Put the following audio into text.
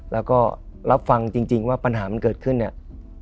แล้วก็รับฟังจริงว่าปัญหามันเกิดขึ้นเนี่ย